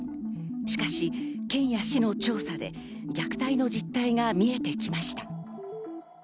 しかし、県や市の調査で虐待の実態が見えてきました。